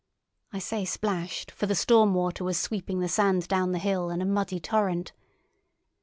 I say splashed, for the storm water was sweeping the sand down the hill in a muddy torrent.